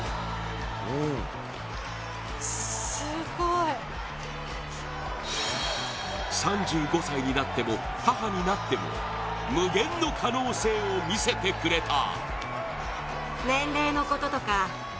すごい３５歳になっても、母になっても無限の可能性を見せてくれた。